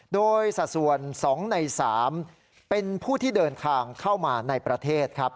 โดยสัดส่วน๒ใน๓เป็นผู้ที่เดินทางเข้ามาในประเทศครับ